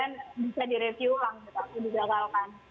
dan kebetulan juga sudah disampaikan juga dengan teman teman di dhi gitu